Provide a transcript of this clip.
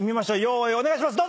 用意お願いします。